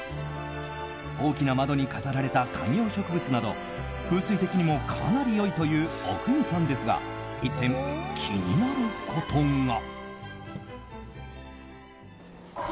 大きな窓に飾られた観葉植物など風水的にもかなり良いという阿国さんですが１点、気になることが。